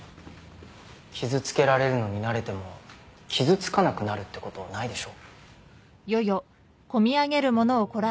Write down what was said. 傷つけられるのに慣れても傷つかなくなるってことないでしょ。